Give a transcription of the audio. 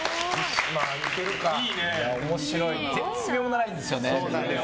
絶妙なラインですよね。